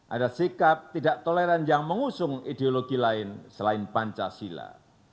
ada sikap tidak toleran yang mengusung ideologi lain selain pancasila